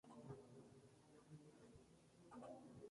Por último, otros continuaron empleando la combinación "Lama gracilis".